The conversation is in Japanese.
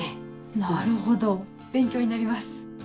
なるほど勉強になります。